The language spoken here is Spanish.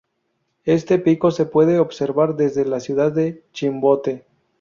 Este pico se puede observar desde la ciudad de Chimbote.